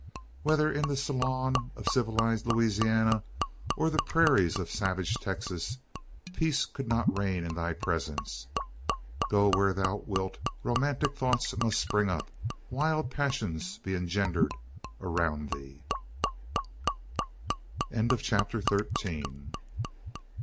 Whether in the salons of civilised Louisiana, or the prairies of savage Texas, peace could not reign in thy presence! Go where thou wilt, romantic thoughts must spring up wild passions be engendered around thee! CHAPTER FOURTEEN.